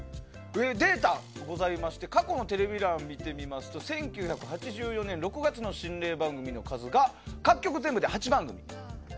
データがございまして過去のテレビ欄を見てみますと１９８４年６月の心霊番組の数が各局全部で８番組。